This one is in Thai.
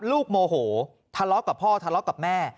โมโหทะเลาะกับพ่อทะเลาะกับแม่